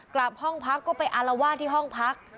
กลับห้องพักก็ไปอารวาสที่ห้องพัก